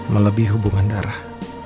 melebih hubungan darah